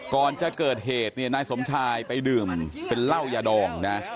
ก่อนจะเกิดเหตุเนี่ยนายสมชายไปดื่มเป็นเหล้ายาดองนะ